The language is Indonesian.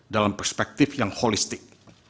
dalam perspektif yang holistik